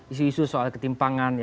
isu isu soal ketimpangan